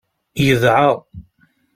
Yedɛa.